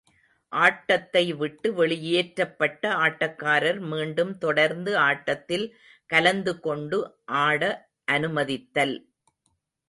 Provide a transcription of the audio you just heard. ஆட்டத்தைவிட்டு வெளியேற்றப்பட்ட ஆட்டக்காரர் மீண்டும் தொடர்ந்து ஆட்டத்தில் கலந்துகொண்டு ஆட அனுமதித்தல்